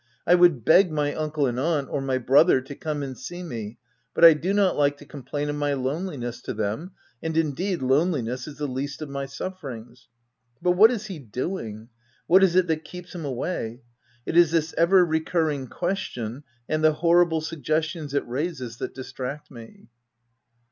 I would beg my uncle and aunt, or my brother to come and see me, but I do not like to com plain of my loneliness to them >— and indeed, loneliness is the least of my sufferings ; but what is he doing — what is it that keeps him away ? It is this ever recurring question and the horrible suggestions it raises that distract me.